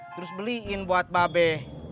terus beliin buat babe